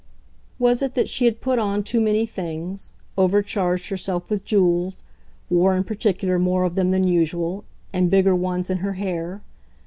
Was it that she had put on too many things, overcharged herself with jewels, wore in particular more of them than usual, and bigger ones, in her hair?